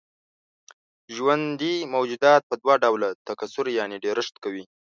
ژوندي موجودات په دوه ډوله تکثر يعنې ډېرښت کوي.